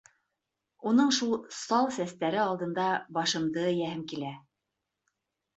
Уның шул сал сәстәре алдында башымды эйәһем килә: